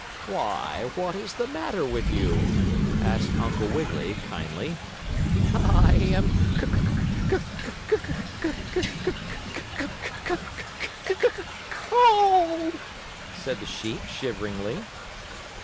"Why, what is the matter with you?" asked Uncle Wiggily, kindly. "I am c c c c cold," said the sheep, shiveringly.